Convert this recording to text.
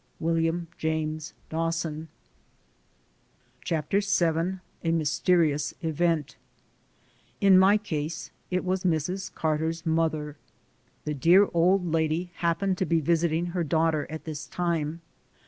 William Jcme* Dawson. CHAPTER VH A MYSTERIOUS EVENT IN my case it was Mrs. Carter's mother. The dear old lady happened to be visiting her daugh ter at this time.